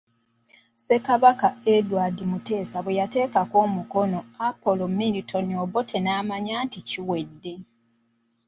Ssekabaka Edward Muteesa bweyateekako omukono Apollo Milton Obote n'amanya nti kiwedde.